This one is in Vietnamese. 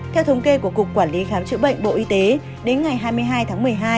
theo thống kê của cục quản lý khám chữa bệnh bộ y tế đến ngày hai mươi hai tháng một mươi hai